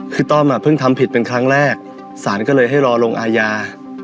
คือต้อมอ่ะเพิ่งทำผิดเป็นครั้งแรกสารก็เลยให้รอลงอาญา